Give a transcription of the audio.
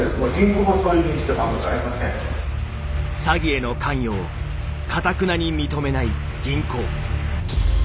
詐欺への関与をかたくなに認めない銀行。